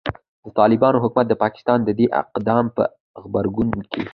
د طالبانو حکومت د پاکستان د دې اقدام په غبرګون کې